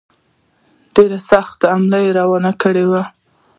ډېره سخته حمله روانه کړې وه.